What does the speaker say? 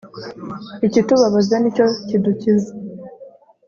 ikitubabaza ni cyo kidukiza